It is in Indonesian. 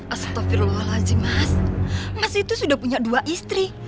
astagfirullahaladzim mas mas itu sudah punya dua istri